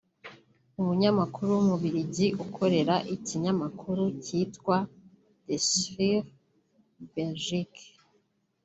umunyamakuru w’Umubiligi ukorera ikinyamakuru cyitwa Le Soir Belgique